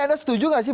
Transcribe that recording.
anda setuju gak sih